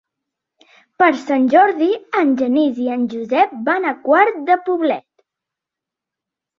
Per Sant Jordi en Genís i en Josep van a Quart de Poblet.